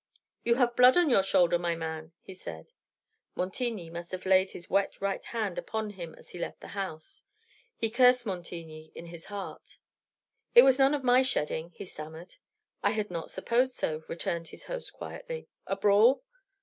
"You have blood on your shoulder, my man," he said. Montigny must have laid his wet right hand upon him as he left the house. He cursed Montigny in his heart. "It was none of my shedding," he stammered. "I had not supposed so," returned his host quietly. "A brawl?"